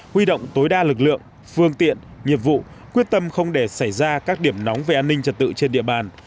huy động tối đa lực lượng phương tiện nghiệp vụ quyết tâm không để xảy ra các điểm nóng về an ninh trật tự trên địa bàn